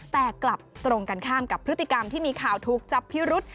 แต่กลับตรงกันข้ามกับพฤติกรรมที่มีข่าวถูกจับพิรุษ